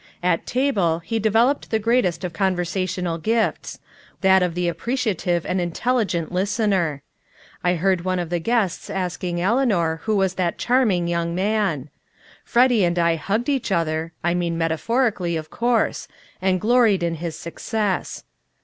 At table he developed the greatest of conversational gifts that of the appreciative and intelligent listener. I heard one of the guests asking Eleanor who was that charming young man. Freddy and I hugged each other (I mean metaphorically, of course) and gloried in his success.